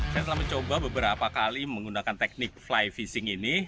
saya telah mencoba beberapa kali menggunakan teknik fly fishing ini